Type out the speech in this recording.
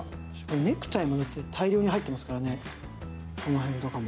ネクタイも大量に入ってますからね、この辺とかも。